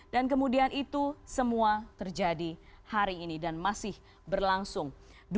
dan kemudian itu semua terjadi hari ini dan masih berlangsung